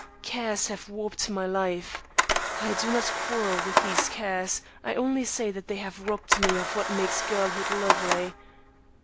Cares have warped my life. I do not quarrel with these cares; I only say that they have robbed me of what makes girlhood lovely.